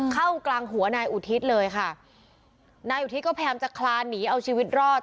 กลางหัวนายอุทิศเลยค่ะนายอุทิศก็พยายามจะคลานหนีเอาชีวิตรอด